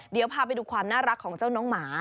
เดี๋ยวพาไปดูความน่ารักของเจ้าน้องหมา